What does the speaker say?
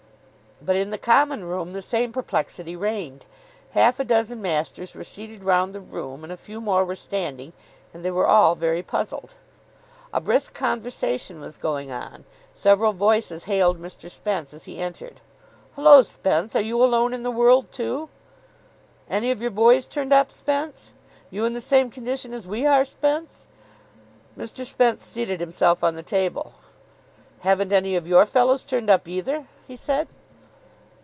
But in the Common Room the same perplexity reigned. Half a dozen masters were seated round the room, and a few more were standing. And they were all very puzzled. A brisk conversation was going on. Several voices hailed Mr. Spence as he entered. "Hullo, Spence. Are you alone in the world too?" "Any of your boys turned up, Spence?" "You in the same condition as we are, Spence?" Mr. Spence seated himself on the table. "Haven't any of your fellows turned up, either?" he said.